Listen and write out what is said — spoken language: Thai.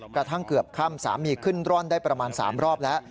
กระทั่งเกือบค่ำสามีขึ้นร่อนได้ประมาณ๓รอบแล้ว